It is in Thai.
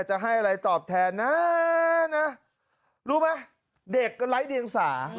จะให้อะไรตอบแทนนะรู้ไหมเด็กก็ไร้เดียงสา